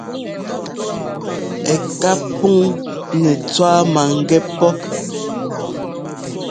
Ɛ ká puŋ nɛ́ tswá maŋgɛ́ pɔ́.